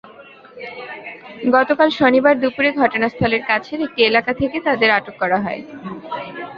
গতকাল শনিবার দুপুরে ঘটনাস্থলের কাছের একটি এলাকা থেকে তাঁদের আটক করা হয়।